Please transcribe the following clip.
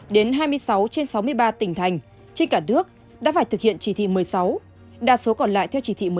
đến hai mươi sáu trên sáu mươi ba tỉnh thành trên cả nước đã phải thực hiện chỉ thị một mươi sáu đa số còn lại theo chỉ thị một mươi sáu